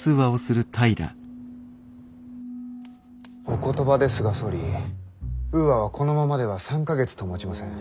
お言葉ですが総理ウーアはこのままでは３か月ともちません。